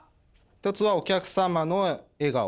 １つはお客様の笑顔。